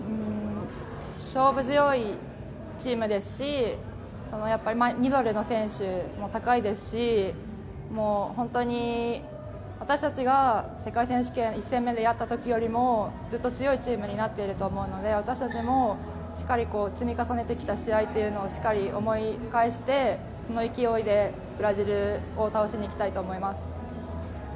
勝負強いチームですし、ミドルの選手も高いですし、本当に、私たちが世界選手権１戦目でやったときよりもずっと強いチームになっていると思うので私たちもしっかりと積み重ねてきた試合っていうのをしっかり思い返して、その勢いでブラジルを倒しにいきたいと思います。